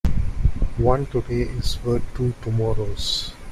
One today is worth two tomorrows.